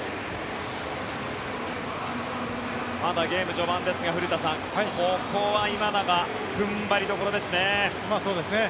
まだゲーム序盤ですが古田さんここは今永踏ん張りどころですね。